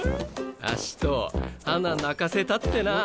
アシト花泣かせたってな！